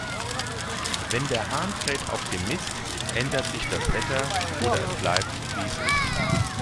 Wenn der Hahn kräht auf dem Mist, ändert sich das Wetter, oder es bleibt, wie es ist.